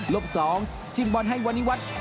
รบสองจิ้นบอลให้วันนิวัตร